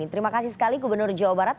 terima kasih sekali gubernur jawa barat